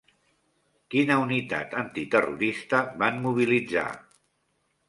Quina unitat antiterrorista van mobilitzar?